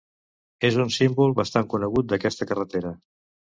És un símbol bastant conegut d'aquesta carretera.